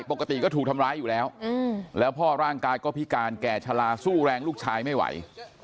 ปกติก็ถูกทำร้ายอยู่แล้วแล้วพ่อร่างกายก็พิการแก่ชะลาสู้แรงลูกชายไม่ไหว